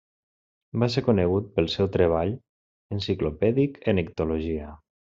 Va ser conegut pel seu treball enciclopèdic en ictiologia.